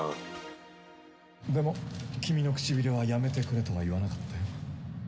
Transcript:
でも君の唇はやめてくれとは言わなかったよ。